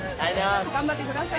頑張ってください。